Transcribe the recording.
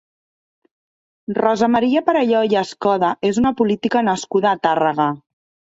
Rosa Maria Perelló i Escoda és una política nascuda a Tàrrega.